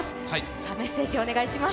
さ、メッセージをお願いします。